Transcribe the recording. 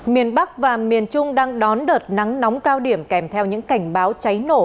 miền bắc và miền trung đang đón đợt nắng nóng cao điểm kèm theo những cảnh báo cháy nổ